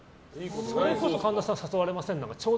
それこそ神田さん誘われません？